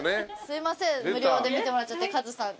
すいません無料で見てもらっちゃってかづさん。